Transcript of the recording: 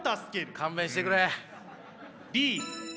勘弁してくれ。